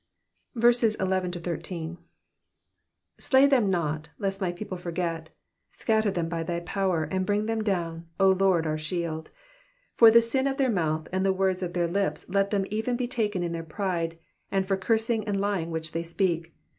11 Slay them not, lest my people forget : scatter them by thy power ; and bring them down, O Lord, our shield. 12 For the sin of their mouth and the words of their lips let them even be taken in their pride : and for cursing and lying which they speak.